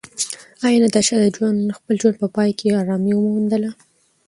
ایا ناتاشا د خپل ژوند په پای کې خپله ارامي وموندله؟